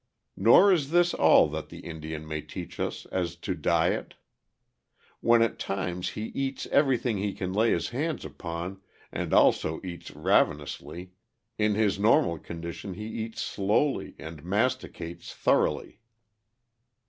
Nor is this all that the Indian may teach us as to diet. While at times he eats everything he can lay his hands upon and also eats ravenously, in his normal condition he eats slowly and masticates thoroughly.